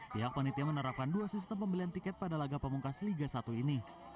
pihak panitia menerapkan dua sistem pembelian tiket pada laga pemungkas liga satu ini